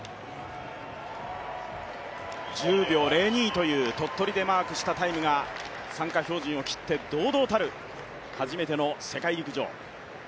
１０秒０２という鳥取でマークしたタイムが参加標準を切って堂々たる初めての世界陸上。